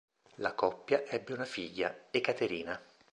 La coppia ebbe una figlia, Ekaterina.